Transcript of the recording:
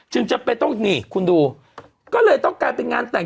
จำเป็นต้องนี่คุณดูก็เลยต้องกลายเป็นงานแต่ง